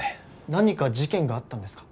何か事件があったんですか？